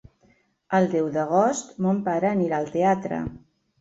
El deu d'agost mon pare anirà al teatre.